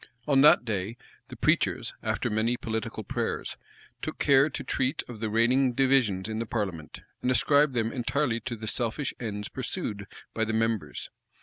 On that day, the preachers, after many political prayers, took care to treat of the reigning divisions in the parliament, and ascribed them entirely to the selfish ends pursued by the members.